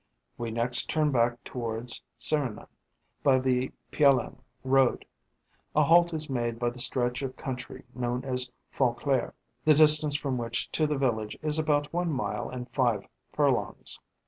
We next turn back towards Serignan, by the Piolenc Road. A halt is made by the stretch of country known as Font Claire, the distance from which to the village is about one mile and five furlongs.